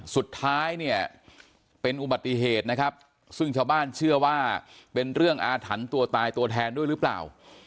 สุดท้ายเนี่ยเป็นอุบัติเหตุนะครับซึ่งชาวบ้านเชื่อว่าเป็นเรื่องอาถรรพ์ตัวตายตัวแทนด้วยหรือเปล่า